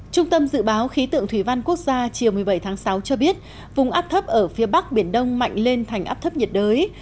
trung tâm dự báo khí tượng thủy văn quốc gia chiều một mươi bảy tháng sáu cho biết vùng áp thấp ở phía bắc biển đông mạnh lên thành áp thấp nhiệt đới